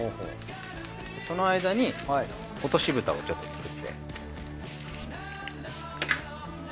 その間に落とし蓋をちょっと作って。